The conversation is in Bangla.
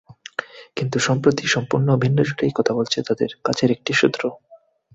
কিন্তু সম্প্রতি সম্পূর্ণ ভিন্ন সুরেই কথা বলেছে তাঁদের কাছের একটি সূত্র।